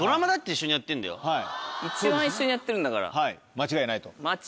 間違いないと。